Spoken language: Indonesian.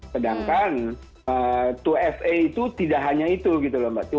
sedangkan dua fa itu tidak hanya itu gitu loh mbak